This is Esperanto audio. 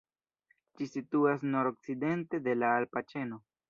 Ĝi situas nord-okcidente de la alpa ĉeno.